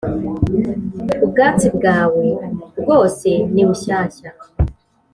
Ubwatsi bwawe bwose nibushyashya.